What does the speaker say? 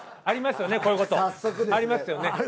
ありますよね。